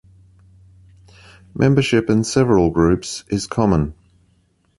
Membership in several groups is common.